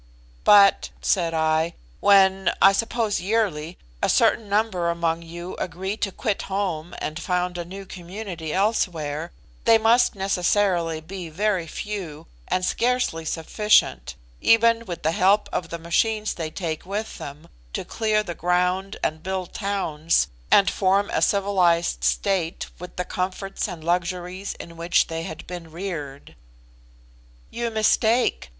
"But," said I, "when, I suppose yearly, a certain number among you agree to quit home and found a new community elsewhere, they must necessarily be very few, and scarcely sufficient, even with the help of the machines they take with them, to clear the ground, and build towns, and form a civilised state with the comforts and luxuries in which they had been reared." "You mistake.